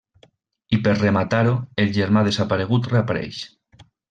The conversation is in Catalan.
I per rematar-ho el germà desaparegut reapareix.